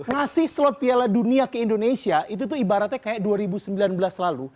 ngasih slot piala dunia ke indonesia itu tuh ibaratnya kayak dua ribu sembilan belas lalu